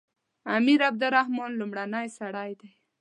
امیر عبدالرحمن لومړنی سړی دی.